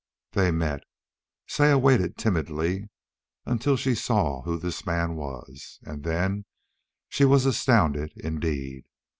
They met. Saya waited timidly until she saw who this man was, and then she was astounded indeed.